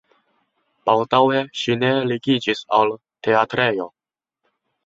Baldaŭe ŝi ne ligiĝis al teatrejo.